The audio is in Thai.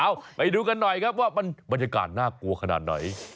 เอาไปดูกันหน่อยครับว่ามันบรรยากาศน่ากลัวขนาดไหน